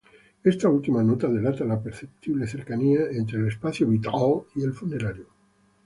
Esta última nota delata la perceptible cercanía entre el espacio vital y el funerario.